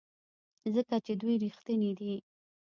ځکه چې دوی ریښتیني دي.